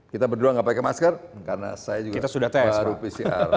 kita berdua nggak pakai masker karena saya juga sudah pcr